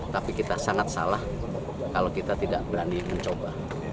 tapi kita sangat salah kalau kita tidak berani mencoba